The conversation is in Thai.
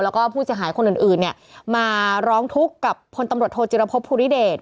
แล้วก็ผู้เสียหายคนอื่นเนี่ยมาร้องทุกข์กับพลตำรวจโทจิรพบภูริเดช